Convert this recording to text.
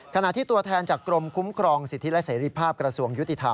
ขณะที่ตัวแทนจากกรมคุ้มครองสิทธิและเสรีภาพกระทรวงยุติธรรม